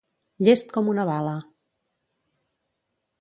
Llest com una bala.